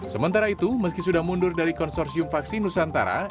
sementara itu meski sudah mundur dari konsorsium vaksin nusantara